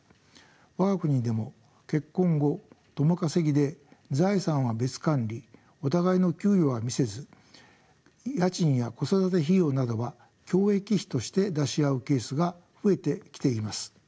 我が国でも結婚後共稼ぎで財産は別管理お互いの給与は見せず家賃や子育て費用などは共益費として出し合うケースが増えてきています。